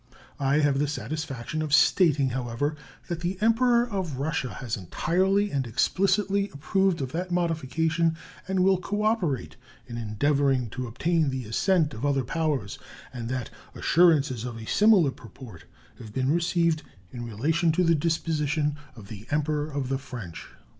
I have the satisfaction of stating, however, that the Emperor of Russia has entirely and explicitly approved of that modification and will cooperate in endeavoring to obtain the assent of other powers, and that assurances of a similar purport have been received in relation to the disposition of the Emperor of the French.